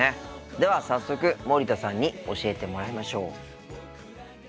では早速森田さんに教えてもらいましょう。